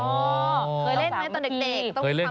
เคยเล่นไหมตอนเด็ก